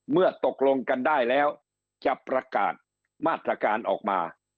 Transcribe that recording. เมื่อตกลงกันได้แล้วจะประกาศมาตรการออกมา